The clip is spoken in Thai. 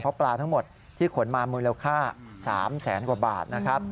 เพราะปลาทั้งหมดที่ขนมามูลค่า๓แสนกว่าบาทนะครับ